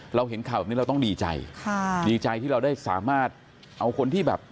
เราเห็นข่าวแบบนี้เราต้องดีใจค่ะดีใจที่เราได้สามารถเอาคนที่แบบ